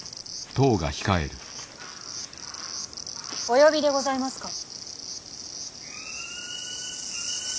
お呼びでございますか。